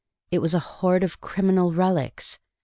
It was a hoard of criminal relics.